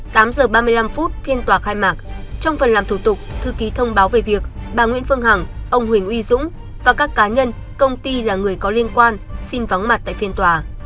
tám h ba mươi năm phút phiên tòa khai mạc trong phần làm thủ tục thư ký thông báo về việc bà nguyễn phương hằng ông huỳnh uy dũng và các cá nhân công ty là người có liên quan xin vắng mặt tại phiên tòa